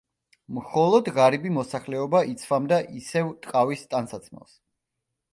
მხოლოდ ღარიბი მოსახლეობა იცვამდა ისევ ტყავის ტანსაცმელს.